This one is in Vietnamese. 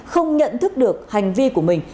không nhận thức được hành vi của mình